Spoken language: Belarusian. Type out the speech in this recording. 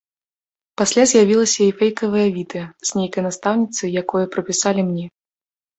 Пасля з'явілася і фэйкавае відэа з нейкай настаўніцай, якое прыпісалі мне.